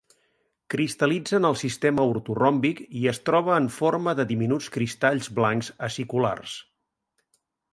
Cristal·litza en el sistema ortoròmbic, i es troba en forma de diminuts cristalls blancs aciculars.